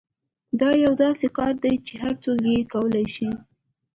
دا یو داسې کار دی چې هر څوک یې کولای شي